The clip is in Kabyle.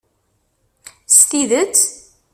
S tidett?